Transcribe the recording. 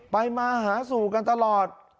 มาหาสู่กันตลอด